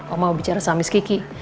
oma mau bicara sama miss kiki